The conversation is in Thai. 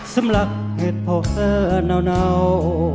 สำหรับเหตุโภษณ์เหนา